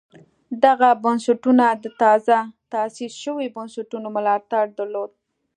دغه بنسټونه د تازه تاسیس شویو بنسټونو ملاتړ درلود